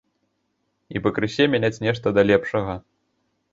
І пакрысе мяняць нешта да лепшага.